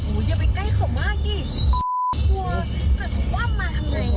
โอ้ยอย่าไปใกล้เขามากดิตัวแต่ว่ามาทำไงอ่ะ